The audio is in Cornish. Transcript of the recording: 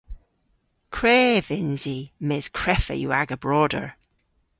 Krev yns i mes kreffa yw aga broder.